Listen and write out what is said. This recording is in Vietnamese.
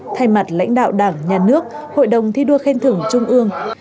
thay mặt lãnh đạo đảng nhà nước hội đồng thi đua khen thưởng trung ương